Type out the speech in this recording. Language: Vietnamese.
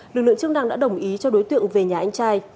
lực lượng chức năng đã đồng ý cho đối tượng về nhà anh trai